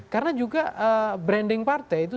karena juga branding partai itu